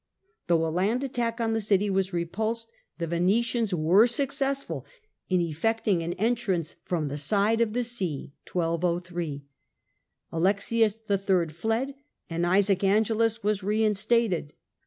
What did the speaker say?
Though a land attack on the city was repulsed, the Venetians were Capture of succcssful in effecting an entrance from the side of the nopfefms sea. Alexius III. fled, and Isaac Angelus was reinstated.